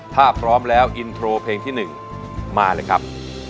ถ้าพร้อมแล้วอินโทรเพลงที่๑มาเลยครับ